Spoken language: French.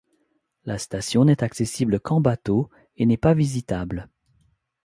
La station n'est accessible qu'en bateau et n'est pas visitable.